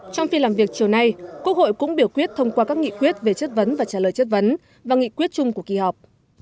trong phiên làm việc chiều nay quốc hội cũng biểu quyết thông qua các nghị quyết về chất vấn và trả lời chất vấn và nghị quyết chung của kỳ họp